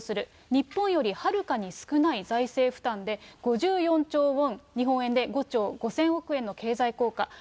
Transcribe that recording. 日本よりはるかに少ない財政負担で５４兆ウォン、日本円で５兆５０００億円の経済効果。